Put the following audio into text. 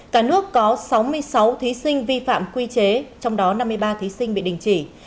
cả nước có sáu mươi sáu thí sinh vi phạm quy chế trong đó năm mươi ba thí sinh bị đình chỉ